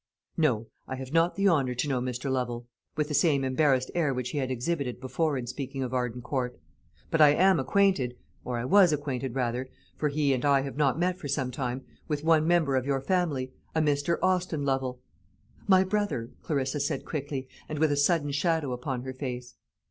"No, I have not the honour to know Mr. Lovel," with the same embarrassed air which he had exhibited before in speaking of Arden Court. "But I am acquainted or I was acquainted, rather, for he and I have not met for some time with one member of your family, a Mr. Austin Lovel." "My brother," Clarissa said quickly, and with a sudden shadow upon her face.